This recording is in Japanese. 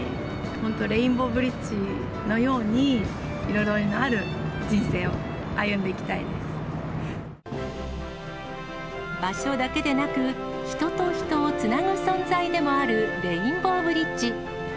本当、レインボーブリッジのように、彩りのある人生を歩んでいき場所だけでなく、人と人をつなぐ存在でもあるレインボーブリッジ。